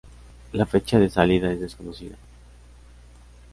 La fecha de salida es desconocida.